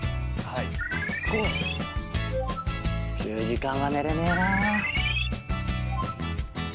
・１０時間は寝れねえな。